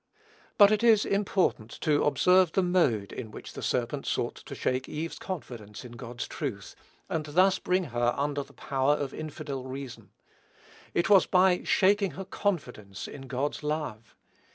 But, it is important to observe the mode in which the serpent sought to shake Eve's confidence in God's truth, and thus bring her under the power of infidel "reason." It was by shaking her confidence in God's love.